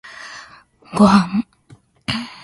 ごはん